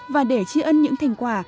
và để chia ơn những thành quả